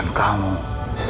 tidak usah rati